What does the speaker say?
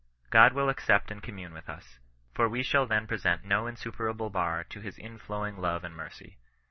God will accept and com mime witbus : for we shall then present no insuperable bar to his inflowing love and mercy.